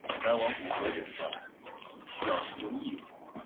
这种面条最早出现在纳布卢斯而后向附近的地区传播。